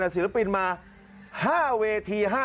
ศิลปินมา๕เวที๕๐